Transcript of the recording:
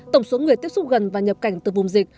tổng số người tiếp xúc gần và nhập cảnh từ vùng dịch